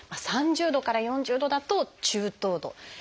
３０度から４０度だと「中等度」。